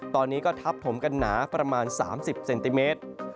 ตอนนี้ก็ทับถมกันหนาประมาณ๓๐เซนติเมตร